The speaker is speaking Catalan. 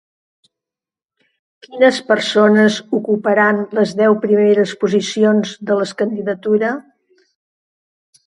Quines persones ocuparan les deu primeres posicions de la candidatura?